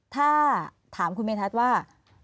ถ้าถามคุณเมธัศน์ว่า